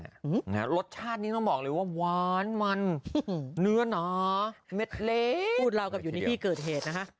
อืมนะรสชาตินี้ต้องบอกเลยว่าหวานมันเนื้อน่าเม็ดเลสพูดเรากับยุนิพี่เกิดเหตุนะคะ